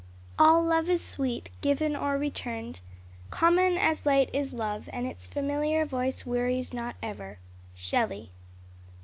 "All love is sweet, Given or returned. Common as light is love, And its familiar voice wearies not ever." _Shelley.